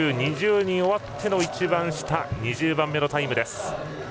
２０人終わっての一番下２０番目のタイムです。